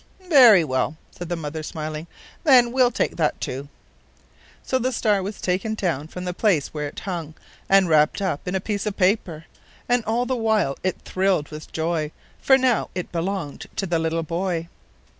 "Very well," said the mother, smiling; "then we will take that, too." So the star was taken down from the place where it hung and wrapped up in a piece of paper, and all the while it thrilled with joy, for now it belonged to the little boy.